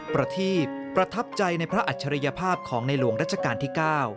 ประทีปประทับใจในพระอัจฉริยภาพของในหลวงรัชกาลที่๙